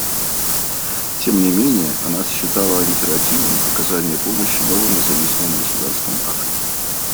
Тем не менее, она считала императивом оказание помощи новым независимым государствам Африки.